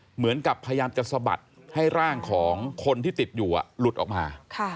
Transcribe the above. เหมือนกับพยายามจะสะบัดให้ร่างของคนที่ติดอยู่หลุดออกมา